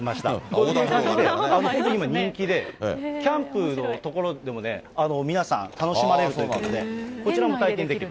こんな感じで本当に今、人気で、キャンプの所でもね、皆さん、楽しまれるということで、こちらも体験できる。